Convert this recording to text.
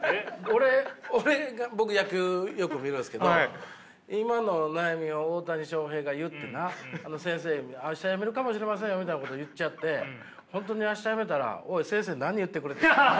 俺僕野球よく見るんですけど今の悩みを大谷翔平が言ってな先生に「明日やめるかもしれません」みたいなこと言っちゃって本当に明日やめたらおい先生何言ってくれてんだ。